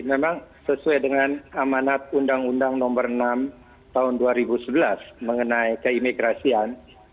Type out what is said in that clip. memang sesuai dengan amanat undang undang nomor enam tahun dua ribu sebelas mengenai keimigrasian